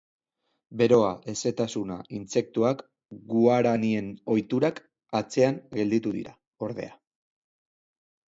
Beroa, hezetasuna, intsektuak, guaranien ohiturak atzean gelditu dira, ordea.